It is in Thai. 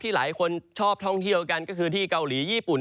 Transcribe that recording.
หลายคนชอบท่องเที่ยวกันก็คือที่เกาหลีญี่ปุ่น